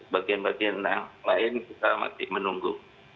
bagian bagian yang lain kita masih menunggu